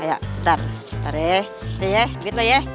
ayo bentar bentar ya